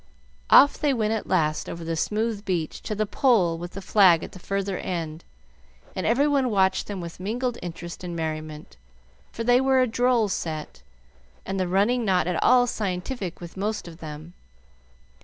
Off they went at last over the smooth beach to the pole with the flag at the further end, and every one watched them with mingled interest and merriment, for they were a droll set, and the running not at all scientific with most of them.